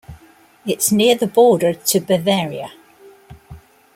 It's near the border to Bavaria.